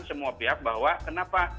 semua pihak bahwa kenapa